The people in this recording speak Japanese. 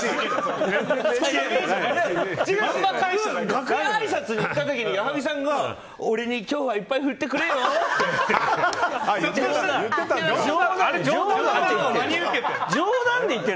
楽屋あいさつ行った時に矢作さんが、俺に今日はいっぱい振ってくれよって。